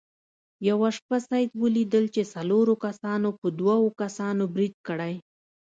یوه شپه سید ولیدل چې څلورو کسانو په دوو کسانو برید کړی.